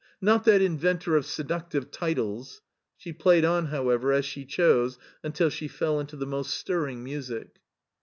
Not that inventor of seductive titles." She played on, however, as she chose until she fell into the most stirring music.